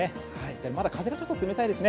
まだ風がちょっと冷たいですね。